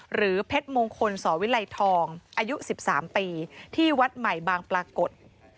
หรือเพชรมงคลสอวิลัยทองอายุ๑๓ปีที่วัดใหม่บางปรากฏ